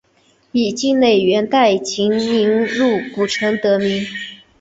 以境内元代集宁路古城得名。